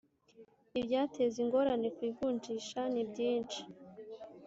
ibyateza ingorane ku ivunjisha nibyishi.